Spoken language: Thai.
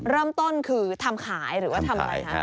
เริ่มต้นคือทำขายหรือว่าทำอะไรคะ